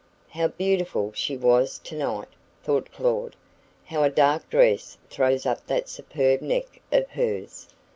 "How beautiful she was tonight!" thought Claud. "How a dark dress throws up that superb neck of hers!